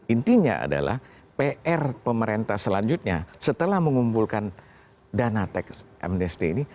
intinya adalah pr pemerintah selanjutnya setelah mengumpulkan dana teks amnesty ini